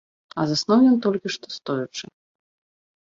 А заснуў ён толькі што, стоячы.